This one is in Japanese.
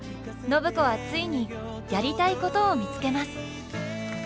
暢子はついにやりたいことを見つけます。